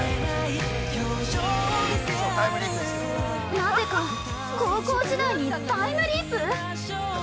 なぜか高校時代にタイプリープ！？